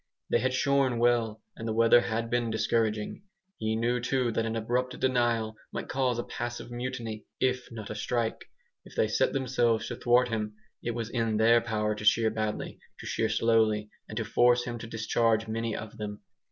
They had shorn well, and the weather had been discouraging. He knew too that an abrupt denial might cause a passive mutiny, if not a strike. If they set themselves to thwart him, it was in their power to shear badly, to shear slowly, and to force him to discharge many of them.